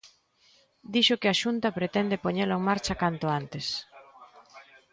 Dixo que a Xunta pretende poñelo en marcha canto antes.